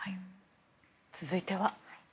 続いては。